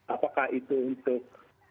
apakah itu untuk